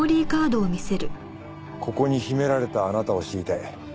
ここに秘められたあなたを知りたい。